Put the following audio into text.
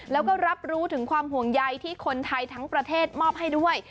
แล้วก็รับรู้ถึงความห่วงใยที่คนไทยทั้งประเทศมอบให้ด้วย